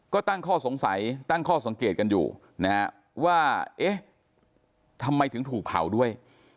ก็ตั้งข้อสงสัยตั้งข้อสังเกตกันอยู่นะฮะว่าเอ๊ะทำไมถึงถูกเผาด้วย